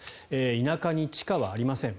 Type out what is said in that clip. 田舎に地下はありません。